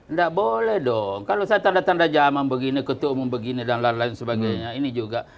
nggak boleh dong kalau saya tanda tanda zaman begini ketua umum begini dan lain lain sebagainya ini juga